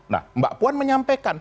nah mbak puan menyampaikan